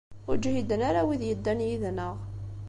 Ur ǧhiden ara wid yeddan yid-neɣ.